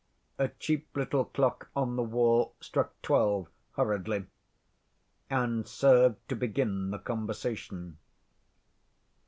A cheap little clock on the wall struck twelve hurriedly, and served to begin the conversation.